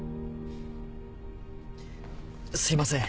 すいません